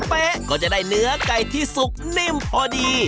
เป๊ะก็จะได้เนื้อไก่ที่สุกนิ่มพอดี